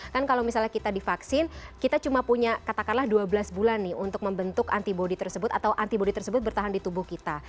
kan kalau misalnya kita divaksin kita cuma punya katakanlah dua belas bulan nih untuk membentuk antibody tersebut atau antibody tersebut bertahan di tubuh kita